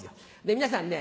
皆さんね